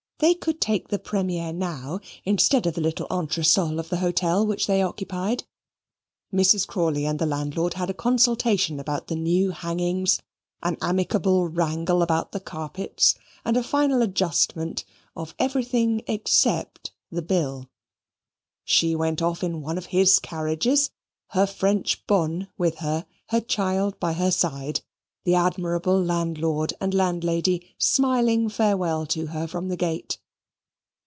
They could take the premier now, instead of the little entresol of the hotel which they occupied. Mrs. Crawley and the landlord had a consultation about the new hangings, an amicable wrangle about the carpets, and a final adjustment of everything except the bill. She went off in one of his carriages; her French bonne with her; the child by her side; the admirable landlord and landlady smiling farewell to her from the gate.